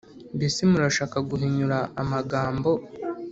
mbese murashaka guhinyura amagambo,